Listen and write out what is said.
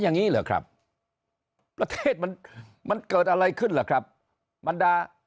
อย่างนี้เหรอครับประเทศมันมันเกิดอะไรขึ้นล่ะครับมันดา